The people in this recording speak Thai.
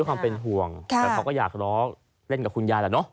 ความเป็นห่วงแต่เขาก็อยากร้องเล่นกับคุณยายแหละเนอะ